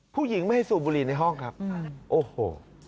ผู้หญิงไม่ให้สูบบุหรี่ในห้องครับโอ้โห